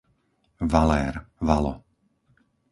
Valér, Valo